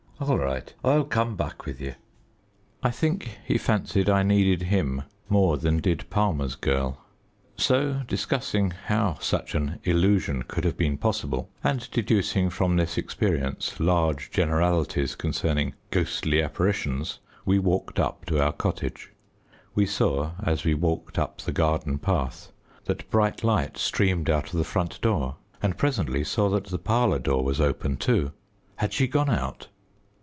All right, I'll come back with ye." I think he fancied I needed him more than did Palmer's girl, so, discussing how such an illusion could have been possible, and deducing from this experience large generalities concerning ghostly apparitions, we walked up to our cottage. We saw, as we walked up the garden path, that bright light streamed out of the front door, and presently saw that the parlour door was open too. Had she gone out?